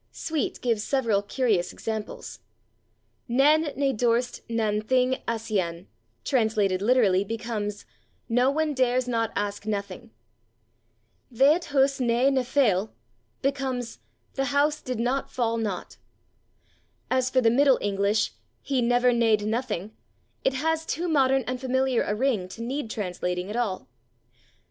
Sweet [Pg233] gives several curious examples. "Nān ne dorste nān thing āscian," translated literally, becomes "/no/ one dares /not/ ask /nothing/." "Thaet hus nā ne feoll" becomes "the house did /not/ fall /not/." As for the Middle English "he /never/ nadde /nothing/," it has too modern and familiar a ring to need translating at all.